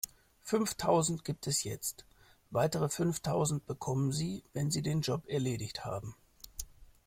Fünftausend gibt es jetzt, weitere fünftausend bekommen Sie, wenn Sie den Job erledigt haben.